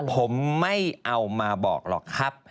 ผมไม่เอามาบอกหรอกครับ